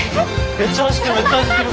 めっちゃ走ってる。